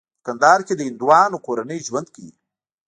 په کندهار کې د هندوانو کورنۍ ژوند کوي.